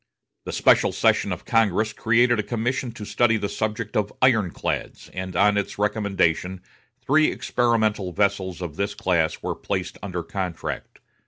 The special session of Congress created a commission to study the subject of ironclads, and on its recommendation three experimental vessels of this class were placed under contract.